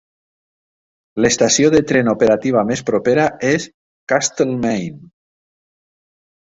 L'estació de tren operativa més propera és Castlemaine.